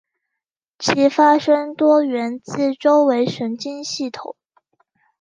其发生多源自周围神经系统。